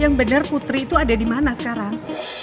yang bener putri itu ada dimana sekarang